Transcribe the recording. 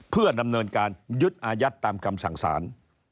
เพื่อดำเนินการยึดอายัดตามคำสั่งสาร